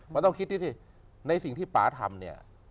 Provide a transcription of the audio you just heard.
มันต้องคิดดูสิในสิ่งที่ป่าทำเนี่ย